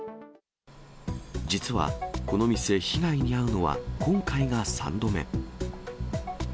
実はこの店、被害に遭うのは今回が３度目。